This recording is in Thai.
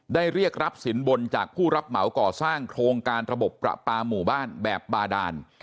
เรียกรับสินบนจากผู้รับเหมาก่อสร้างโครงการระบบประปาหมู่บ้านแบบบาดาน